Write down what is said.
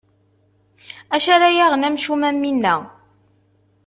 Acu ara yaɣen amcum am winna.